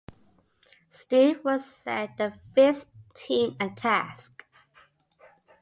Steve will set the Fist team a task.